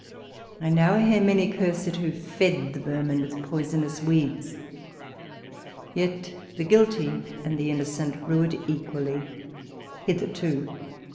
I now hear many curse it, who feed the vermin with poisonous weeds. Yet the guilty and the innocent rue it equally hitherto